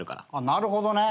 なるほどね。